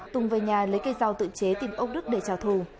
tùng về nhà lấy cây rau tự chế tìm ông đức để trào thù